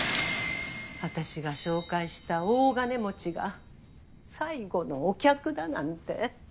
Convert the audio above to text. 私が紹介した大金持ちが最後のお客だなんて。